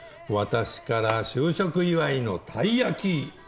私から就職祝いのたい焼き！